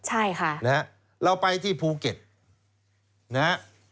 ใช่ค่ะนะฮะเราไปที่ภูเก็ตนะฮะ